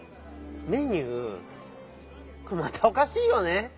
メニューまたおかしいよね？